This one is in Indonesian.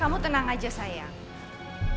kamu tenang saja sayang